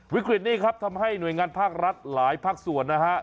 วิกฤตนี้ครับทำให้หน่วยงานภาครัฐหลายภาคส่วนนะฮะ